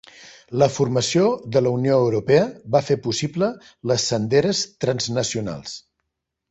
La formació de la Unió Europea va fer possible les senderes transnacionals.